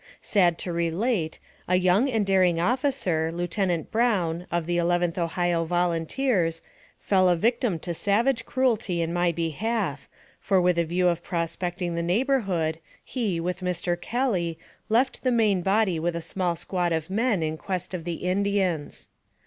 Sad to relate, a young and daring officer, Lieutenant Brown, of the Eleventh Ohio Volunteers, fell a victim 224 NARRATIVE OF CAPTIVITY to savage cruelty in my behalf, for with a view of prospecting the neighborhood, he, with Mr. Kelly, left the main body with a small squad of men in quest of the Indians.